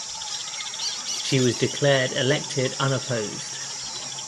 She was declared elected unopposed.